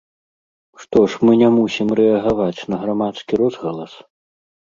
Што ж, мы не мусім рэагаваць на грамадскі розгалас?